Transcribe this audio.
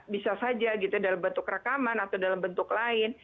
bisa saja gitu dalam bentuk rekaman atau dalam bentuk lain